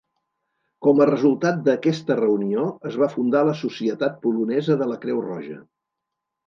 Com a resultat d'aquesta reunió, es va fundar la Societat Polonesa de la Creu Roja.